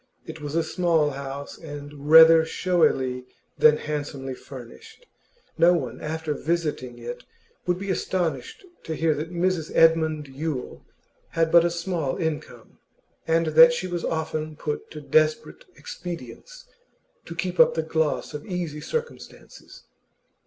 It was a small house, and rather showily than handsomely furnished; no one after visiting it would be astonished to hear that Mrs Edmund Yule had but a small income, and that she was often put to desperate expedients to keep up the gloss of easy circumstances.